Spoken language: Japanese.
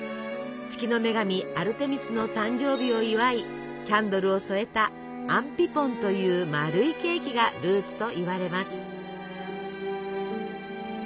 月の女神アルテミスの誕生日を祝いキャンドルを添えたアンピポンという丸いケーキがルーツといわれます。